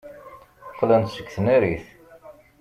Qqlen-d seg tnarit.